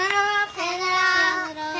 さようなら！